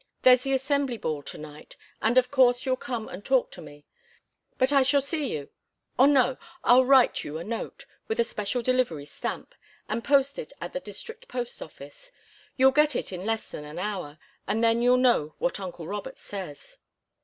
There's the Assembly ball to night, and of course you'll come and talk to me, but I shall see you or no I'll write you a note, with a special delivery stamp, and post it at the District Post Office. You'll get it in less than an hour, and then you'll know what uncle Robert says."